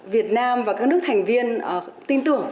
việt nam và các nước thành viên tin tưởng